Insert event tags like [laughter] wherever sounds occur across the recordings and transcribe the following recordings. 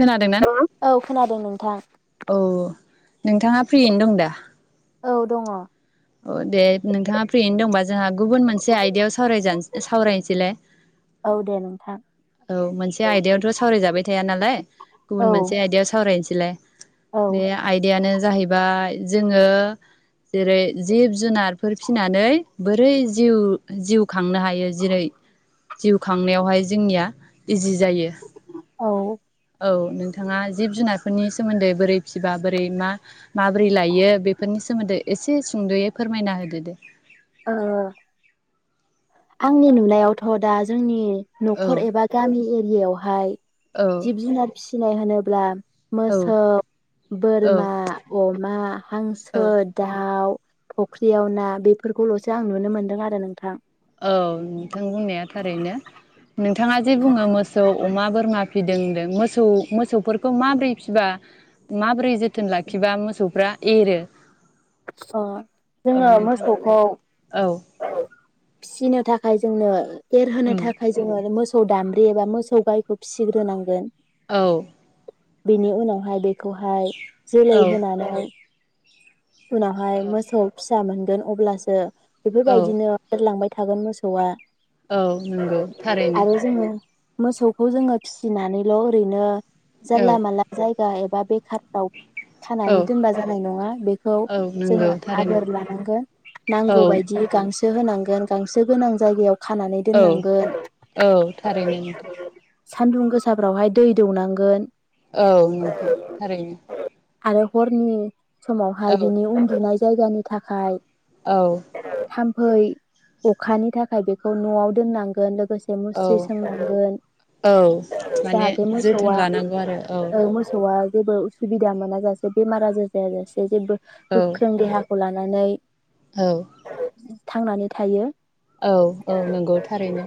खोनादोंना औ खोनादों नोंथां। औ नोंथाङा फ्रियैनो दं दा? औ दङ अ दे नोंथाङा फ्रियैनो दंबा जोंहा गुबुन मोनसे आयदायाव सावजान सावरायनोसैलाय औ दे नोंथां औ मोनसे औ आयदायावथ' सावरायजाबाय थाया नालाय गुबुन मोनसे औ। आयदायाव सावरायनोसैलाय औ बे आयदायानो जाहैबा [unintelligible] जोङो जेरै जिब जुनारफोर फिसिनानै बोरै जिउ जिउ खांनो हायो जेरै जिउ खांनायावहाय जोंनिया इजि जायो। औ औ नोंथाङा जिब जुनारफोरनि सोमोन्दै बोरै सिबा बोरै मा माबोरै लायो बेफोरनि सोमोन्दै एसे सुंद'यै फोरमायना होदो दे। ओ आंनि नुनायावथ' दा जोंनि औ न'खर एबा गामि इयावहाय औ जिब जुनार फिसिनाय होनो ब्ला औ मोसौ औ बोरमा अमा मा औ हांसो, दाउ फख्रियाव ना बेफोरखौल'सो आं नुनो मोनदों आरो नोंथां औ बिथाङा जे बुङो मोसौ अमा, बोरमा फिदों होनदों मोसौ मोसौफोरखौ माबोरै फिबा माबोरै जोथोन लाखिबा मोसौफ्रा एरो? अ ओ जोङो नोंथाङा मोसौखौ औ फिसिनो थाखाय जोंनो एरहोनो उम थाखाय जोङो मोस खौ दाम्ब्रि एबा मोसौ गायखौ फिसिग्रोनांगोन। औ बिनि उनाव हाय बे खौहाय जोलै औ होनानै उनावहाय मोसौ फिसा मोन गोन अब्लासो औ बेफोरबायदिनो एरलांबाय थागोन मोसौआ। औ नोंगौ थारैनो आरो जोङो मोसौखौ जोङो फिसिनानैल' ओरैनो औ जालला मालला जाय जाय एबा बेखाराव औ खानानै दोनबा जानाय नङा बे खौ औ नंगौ जोङो थारैनो आबोर लानांगोन नांगौ औ बायदि गां सो होनांगोन गांसो गोनां जायगायाव खानानै औ दोननांगोन औ थारैनो नोंथां सान्दुं गोसाफ्रावहाय दै दौनांगोन, औ नोंथां थारैनो। आरो हरनि सम फाय औ बिनि उन्दुनाय जायगानि थाखाय औ [unintelligible] अखानि थाखाय बेखौ न'आव दोननांगोन लो गोसो औ मुस्रि सोंनांगोन औ माने जाहाथे जोथोन मोसौआ लानांगौ आरो औ ओ मोसौआ जेबो उसुबिदा मोना जासे बेमार आजार जायाजासे बिदिबो औ गोख्रों देहा खौ लानानै औ थांनानै थायो औ औ नोंगौ थारैनो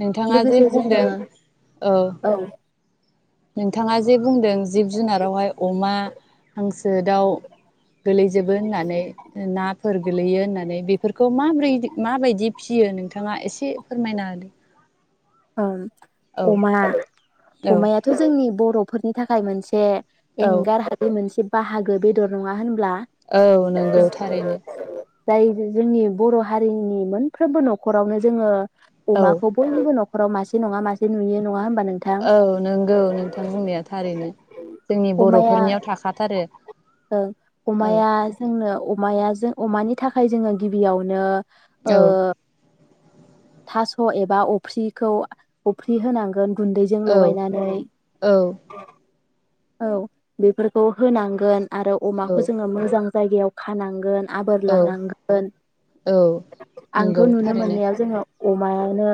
नोंथांङा जे लोगोसे जोङो बुंदों औ नोंथांङा जे बुंदों जिब जुनारावहाय अमा हांसो दाउ गोलैजोबो होननानै नाफोर गोलैयो होननानै बेफोरखौ माबोरै माबायदि फि फियो नोंथांङा एसे फोरमायना होदो ओम अमा औ अमायाथ' जोंनि बर' फोरनि थाखाय मोनसे औ औ एंगार हायि मोनसे बाहागो बेदर नङा होनब्ला औ नोंगौ थारैनो। जाय जोंनि बर' हारिनि मोनफ्रोमबो न'खरावनो जोङो औ अमाखौ बयबो न [unintelligible] मासे नङा मासे नुयो नङा होम औ नोंगौ नोंथां बुंनाया थारैनो जोंनि बर अमाया फोरनियाव थाखाथारो ओं औ। अमाया जोंनो अमाया जों अमानि थाखाय जोङो गिबियावनो ओ औ थास' एबा अफ्रि खौ अफ्रि होनांगोन गुन्दैजों औ लगायनानै औ औ बेफोरखौ होनांगोन आरो औ अमाखौ जोङो मोजां जायगायाव खानांगोन आबोर औ लानांगोन औ आंथ' नंगौ नुनो थारैनो मोननायाव जोङो अमायानो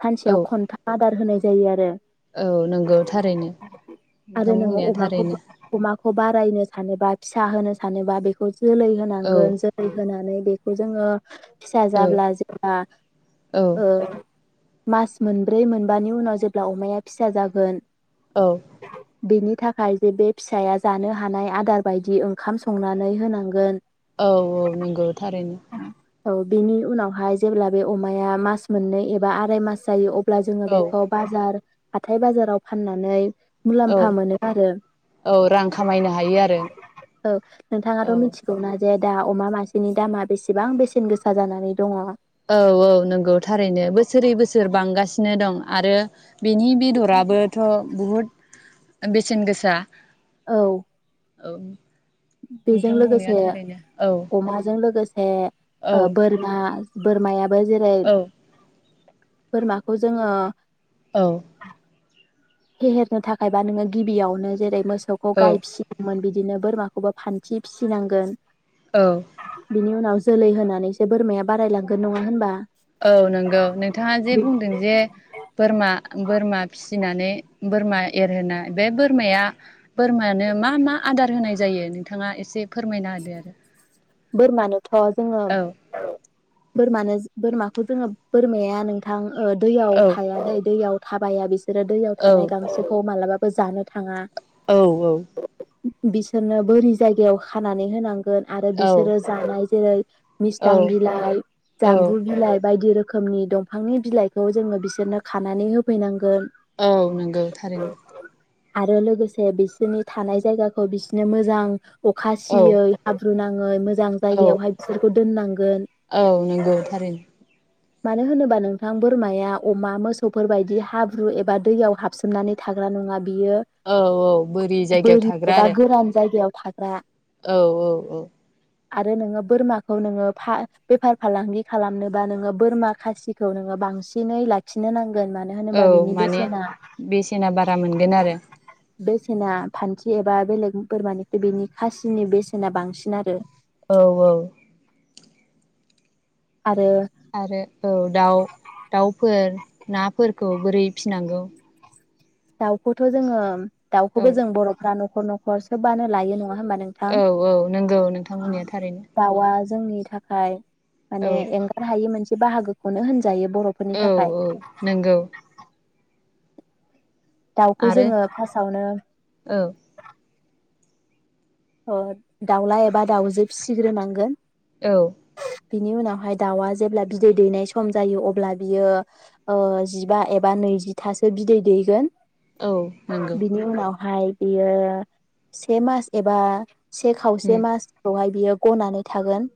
सानसेयाव औ खन्थाम आदार होनाय जायो आरो औ नोंगौ थारैनो नोंथां बुंनाया थारैनो। खौ बारायनो सानोबा फिसा होनो सानोबा बेखौ जोलै औ होनांगोन जोलै होनानै बेखौ जोङो फिसा औ जाब्ला जोंहा औ ओ मास मोनब्रै मोनबानि उनाव जेब्ला अमाया फिसा जागोन औ। बेनि थाखाय जे बे फिसाया जानो हानाय आदार बायदि ओंखाम संनानै होनांगोन। औ औ नंगौ थारैनो। औ बेनि उनावहाय जेब्ला बे अमाया मास मोननै एबा आराय मास जायो अब ब्ला जोङो औ बेखौ बाजार हाथाइ बाजाराव फाननानै औ मुलाम्फा मोनो आरो औ रां खामायनो हायो आरो औ नोंथाङाथ' औ मिथिगौना? जे दा अमा मासेनि दामा बेसेबां बेसेन गोसा जानानै दङ। औ औ नंगौ थारैनो बोसोरै बोसोर बांगासिनो दं। आरो बेनि बेदराबोथ' बहुद बेसेन गोसा। औ। औ। बेजों नोंथां बुंनाया लोगोसे थारैनो औ अमाजों लोगोसे औ ओ बोरमा बोरमाया जेरै औ बोरमाखौ जोङो औ फेहेरनो थाखायबा नोङो गिबियावनो जेरै मो सौखौ औ गाय फिसिदोंमोन बिदि नो बोरमाखौबो फानथि फिसिनांगोन। औ बिनि उनाव जोलै होनानैसो बोरमाया बारायलांगोन नङा होनबा? औ नंगौ। नोंथाङा जे बुंदों जे बोरमा बोरमा फिनानै बोरमा एरहोनाय बे बोरमाया बोरमायानो मा मा आदार होनाय जायो नोंथाङा एसे फोरमायना होदो आरो। बोरमानो थ' जोङो बोरमानो बोरमाखौ जोङो बोरमाया नोंथां दैयाव औ थाया दै, दैयाव थाबाया बेसो रो दैयाव औ थानाय गांसोखौ मालाबा बो जानो थाङा। औ औ। बिसोरनो बोरि जायगायाव खानानै होनांगोन आरो बि [unintelligible] औ मिसथां बिलाइ औ जामबु बिलाइ बायदि रोखोम रोखोमनि दंफांनि बिलाइखौ जोंङो बिसोरनो खानानै होफैनां औ नंगौ थारैनो। आरो लोगोसे बिसोरनि थानाय जायगाखौ बिसोरनो मोजां अखा औ सियै [inaudible] [unintelligible] मोजां औ जायगायावहाय बिसोरखौ दोनां औ नंगौ थारैनो। मानो होनोबा नोंथां बोरमाया अमा मोसौफोर बायदि हाब्रु एबा दैयाव हाबसोमनानै थाग्रा नङा बियो औ औ बोरि जायगायाव बोरि थाग्रा एबा आरो गोरान जायगायाव फाग्रा औ औ औ। आरो नोंङो बोरमाखौ नोंङो फा बेफार फालांगि खालामनोबा नोंङो बोरमा खासिखौ नोंङो बांसिनै लाखिनो नां औ माने बेसेना बारा मोनगोन आरो। बेसेना फान्थि एबा बेलेग बोरमानिफ्राय बिनि खासिनि बेसेना बांसिन आरो। औ औ आरो आरो औ दाउ-दाउफोर नाफोरखौ बोरै फिनांगौ? दाउखौथ' जोंङो औ दाउखौबो जों बर'फ्रा न' न'खर न'खर सोबानो लायो नं औ औ नंगौ नोंथां बुंनाया थारैनो दाउआ जोंनि थाखाय औ माने एंगार हायि मोनसे बाहागोखौनो होन जायो बर'फोरनि औ थाखाय औ नंगौ दाउखौ आरो जोंङो फासावनो औ ओ दाउला एबा दाउजो फिसिग्रोनांगोन। औ। बिनि उनावहाय दाउआ जेब्ला बिदै दैनाय सम जायो अब्ला बियो ओ जिबा एबा नैजिथासो बिदै दैगोन। औ नंगौ। ओमफाय बियो से मास एबा से उम खावसे मासखौहाय बियो। गनानै थागोन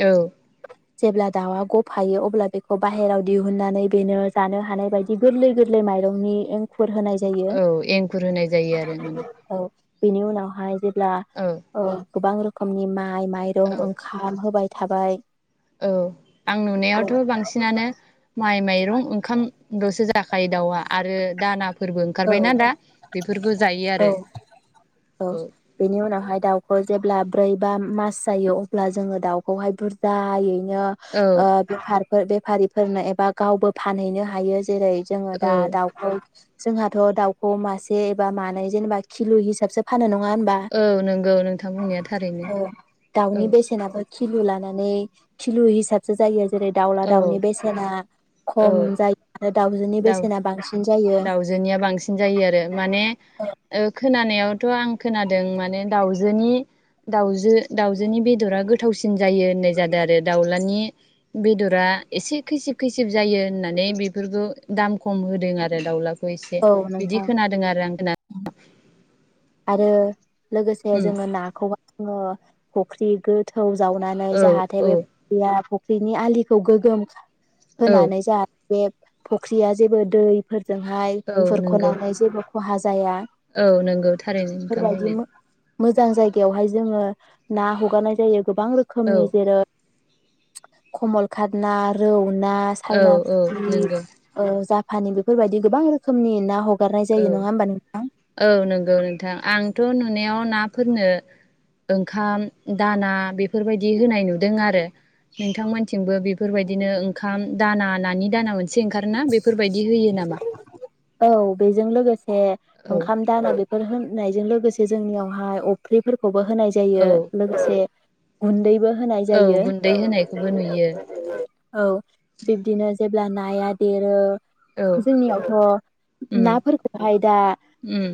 औ जेब्ला दाउआ गफायो अब्ला बेखौ बाहेराव दिहुननानै बेनो जानो हानाय बायदि गोरलै गोरलै माइरंनि एंखुर होनाय जायो औ एंखुर होनाय जायो आरो माने बिनि उनावहाय जे ला औ गोबां रोखोमनि मा माइ माइरं औ ओंखाम होबाय थाबाय औ आं नुनायावथ बांसिनानो माइ माइ माइरं ओंखामलसो जाखायो दाउआ आरो दाना फोरबो ओंखारबायना दा बेफोरखौ जायो आरो औ औ बेनि उनावहाय जेब्ला ब्रै बा मास जायो अब्ला जोङो दाउखौहाय बुरजायै [unintelligible] ओ औ बेफारिफोरनो एबा गावबो फानहैनो हायो जेरै जोङो औ दा दाउखौ जोंहाथ दाउखौ मासे एबा मानै जेनेबा किल हिसाबसो फानो नङा होनबा औ नोंगौ नोंथां बुंनाया थारैनो औ खिलु लानानै खिलु हिसाबसो जायो आरो जेरै दाउला औ दाउनि बेसेना। औ खम जायो आरो दाउजोनि बेसेना बांसिन जायो निया बांसिन जायो आरो माने। खोनानायावथ' आं खोनादों माने दाउजोनि दाउजो दाउजोनि बेदरा गोथावसिन जायो होननाय जादों आरो दाउलानि बेदरा एसे खैसिब खैसिब जायो होननानै बेफोरखौ दाम खम होदों आरो दावला। इसे औ बिदि नोंथां खोनादों आरो आं [unintelligible] आरो। लोगोसे उम जोङो नाखौ जोङो फख्रि गोथौ। जावनानै औ जाहाथे औ बे [unintelligible] बिनि आलिखौ गोगोम औ होनानै जा बे फुख्रिया जेबो दै फोर जोंहाय औ नंगौ खुरख'नानै जेबो खहा जाया औ नोंगौ थारैनो नोंथां बेफोरबायदि बुंनाय मोजां जायगायावहाय जोङो ना हगारनाय जायो गोबां औ रोखोमनि जेरै कमलखाद ना रौ ना औ सायना औ फुथि नंगौ ओ जा फानि बेफोरबायदि गोबां रोखोमनि ना हगारनाय जायो नङा होमबा नोंथां औ-औ नंगौ नों थां आंथ नुनायाव नाफोरनो ओंखाम दाना बे बेफोरबायदि होनाय नुदों आरो। नोंथांमोनथिंबो बेफोरबायदिनो ओंखाम दाना नानि दाना मोन सि ओंखारना बेफोरबायदि होयो नामा? ए औ ओंखाम दाना बेफोर नायजों लोगोसे जोंनियावहाय अफ्रिफोर खौबो होनाय औ जायो लोगोसे गुन्दैबो होनाय औ जायो गुन्दै होनायखौबो नुयो। औ बिब्दिनो जेब्ला नाया देरो औ जोंनियावथ' उम नाफोरखौहाय दा उम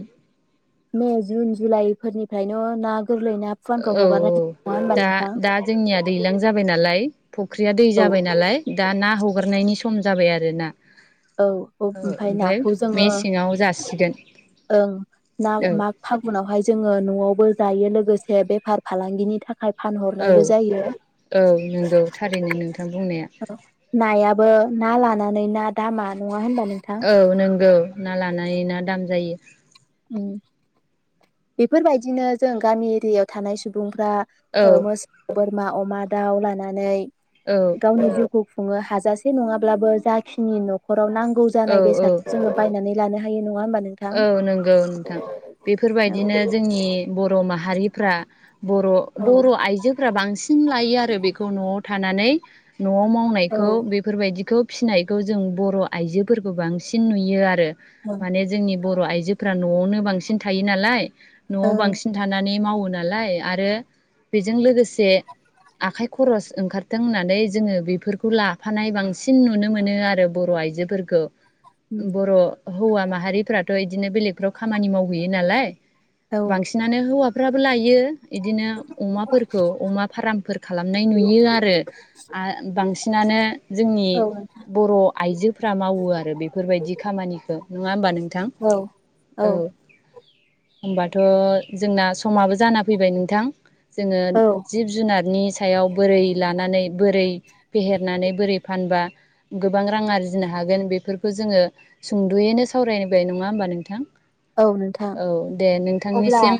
मे जुन जुलाइ फोरनिफ्रायनो ना गोरलै ना फुवानखौ औ हगारनाय औ नङा होमबा दा नोंथां दा जोंनिया दैलां जाबाय नालाय फुख्रिया दै औ जाबाय नालाय दा ना हगारनायनि सम सम जाबाय आरोना। औ औ ओमफ्राय नाखौ जोङो मेसेङाव जासिगोन ओं नाग औ माग फागुनावहाय जोङो न आवबो जायो लोगोसे बेफार फालांगिनि था खाय औ फानहरनायबो जायो औ नंगौ थारैनो नोंथां बुंनाया नाया बो ना लानानै ना दा मा औ नंगौ ना लाना नायै ना दाम जायो। ओं बेफोरबायदिनो जों गामि एरियायाव थानाय सुबुं फ्रा ओ औ मोसौ बोर मा अमा दाउ लानानै गावनो जौ गुफुंङो हाजासे नङाब्लाबो जाखिनि न'खर गाव नांगौ औ जानाय औ बेसादखौ जोंङो बायनानै लानो हायो नङा होमबा नोंथां औ नों गौ नोंथां औ बेफोरबायदिनो जोंनि बर' माहा माहारिफ्रा बर' औ बर' आइजोफोरा बांसिन थायो आरो बेखौ न'आव थानानै न'वाव मावनायखौ ओं बेफोरबायदिखौ फिसिनायखौ जों बर' आइजोफोरखौ बांसिन नुयो आरो। माने जोंनि बर' आइजोफ्रा न'आवनो बांसिन थायो नालाय न'आव ओं बांसिन थानानै मावो ना नालाय आरो बेजों लोगोसे आखाइ खरस ओंखारथों होननानै जोंङो बेफोरखौ लाफानाय बांसिन नुनो मोनो आरो बर' आइजोफोरखौ बर' हौवा माहारिफोरा इदिनो बेलेगफ्राव खामानि मावहैयो नालाय औ बांसिनानो हौवा फ्राबो लायो इदिनो अमाफोरखौ अमा फारामफोर खालामनाय नुयो आरो आ बांसिन नानो जोंनि बर' आइजोफ्रा मावो आरो बेफोरबायदि खामानिखौ नंङा होनबा नों औ औ होमबाथ' जोंना समाबो जाना फैबाय नोंथां जोंङो औ जिब जुनारनि सायाव बोरै लानानै बोरै फेहेरनानै बोरै फानबा गोबां रां आरजिनो हागोन बेफोरखौ जोङो सुंद'यैनो सावरायनो बाय नङा होनोमबा नोंथां औ नोंथां औ दे अब्ला नोंथांनिसिम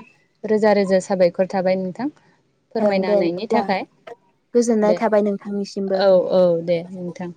रोजा रोजा साबायखर थाबाय नोंथां ओं दे फोरमायनाहोनायनि अब्ला थाखाय गोजोननाय दे थाबाय नोंथांनिसिमबो। औ औ दे नोंथां